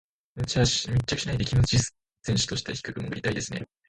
密着しないでキム・ジス選手としては低く潜りたいですね。